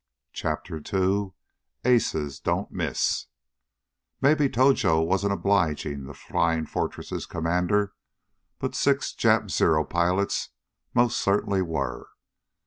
CHAPTER TWO Aces Don't Miss Maybe Tojo wasn't obliging the Flying Fortress' commander, but six Jap Zero pilots most certainly were.